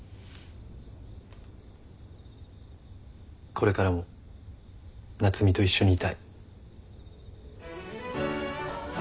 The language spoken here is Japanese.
これからも夏海と一緒にいたい。